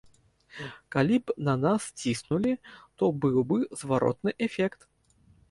Калі б на нас ціснулі, то быў бы зваротны эфект.